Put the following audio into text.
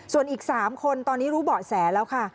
ส่วนอีก๓คนตอนนี้รู้เบาะแสแล้วค่ะ